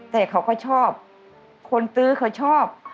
แต่เขาก็ชอบคนซื้อเขาชอบ